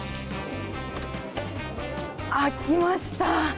開きました。